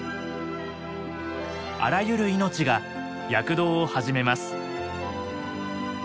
あらゆる命が躍動を始めます。